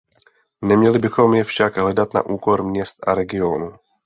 Neměli bychom je však hledat na úkor měst a regionů.